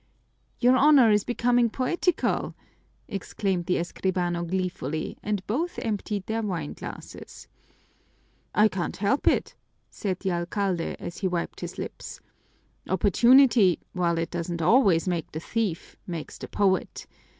"Your Honor is becoming poetical!" exclaimed the escribano gleefully, and both emptied their wine glasses. "I can't help it," said the alcalde as he wiped his lips. "Opportunity, while it doesn't always make the thief, makes the poet.